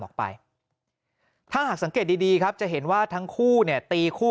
ออกไปถ้าหากสังเกตดีครับจะเห็นว่าทั้งคู่เนี่ยตีคู่